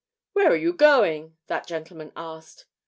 "Where are you going?" that gentleman asked.